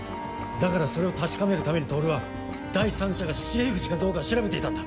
だからそれを確かめるために透は第三者が重藤かどうか調べていたんだ。